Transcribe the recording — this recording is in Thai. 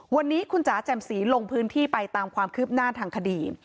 วันนี้คุณจ๋าแจ่มสีลงพื้นที่ไปตามความคืบหน้าทางคดี